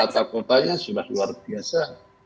tata kotanya sudah luar biasa